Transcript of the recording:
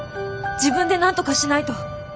自分でなんとかしないと。